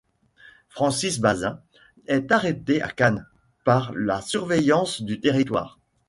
Francis Basin est arrêté à Cannes par la Surveillance du territoire.